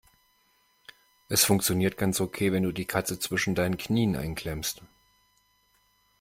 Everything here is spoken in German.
Es funktioniert ganz okay, wenn du die Katze zwischen deinen Knien einklemmst.